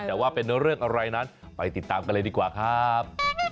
แต่ว่าเป็นเรื่องอะไรนั้นไปติดตามกันเลยดีกว่าครับ